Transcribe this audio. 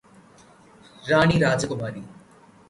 റാണി രാജകുമാരി